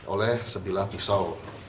oleh sebilah pisau